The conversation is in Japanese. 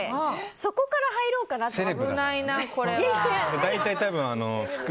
そこから入ろうかなと。